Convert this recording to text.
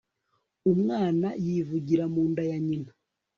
umwana yivugira mu nda ya nyina